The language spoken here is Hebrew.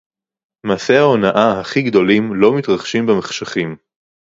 מעשי ההונאה הכי גדולים לא מתרחשים במחשכים